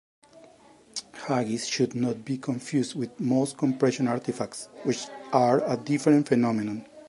Jaggies should not be confused with most compression artifacts, which are a different phenomenon.